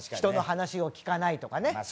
人の話を聞かないとかね。